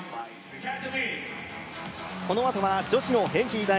このあとは女子の平均台。